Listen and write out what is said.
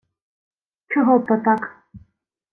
— Чого б то так?